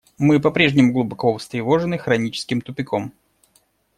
Мы по-прежнему глубоко встревожены хроническим тупиком.